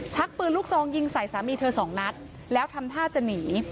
ปืนลูกซองยิงใส่สามีเธอสองนัดแล้วทำท่าจะหนี